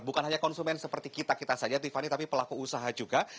bukan hanya konsumen seperti kita kita saja tiffany tapi pelaku usaha juga